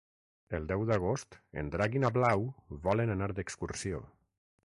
El deu d'agost en Drac i na Blau volen anar d'excursió.